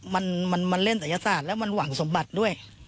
มันมันเล่นศัยศาสตร์แล้วมันหวังสมบัติด้วย